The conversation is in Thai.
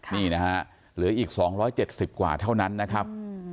นี่นะฮะเหลืออีก๒๗๐กว่าเท่านั้นนะครับ